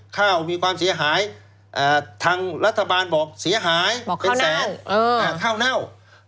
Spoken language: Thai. ข้าวมีความเสียหายทางรัฐบาลบอกเสียหายบอกเป็นแสนข้าวเน่า